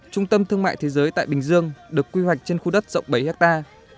trung tâm thương mại thế giới tại bình dương được quy hoạch trên khu đất rộng bảy hectare